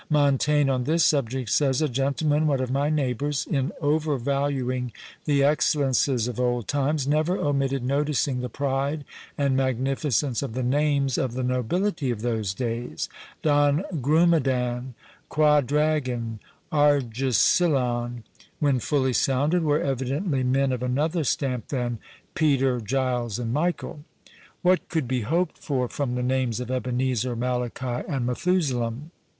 Montaigne on this subject says, "A gentleman, one of my neighbours, in over valuing the excellences of old times, never omitted noticing the pride and magnificence of the names of the nobility of those days! Don Grumedan, Quadragan, Argesilan, when fully sounded, were evidently men of another stamp than Peter, Giles, and Michel." What could be hoped for from the names of Ebenezer, Malachi, and Methusalem?